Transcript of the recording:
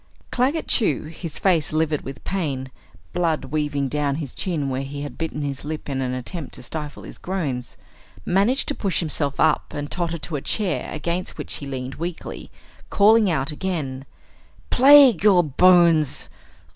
Claggett Chew, his face livid with pain, blood weaving down his chin where he had bitten his lip in an attempt to stifle his groans, managed to push himself up and totter to a chair against which he leaned weakly, calling out again: "Plague your bones!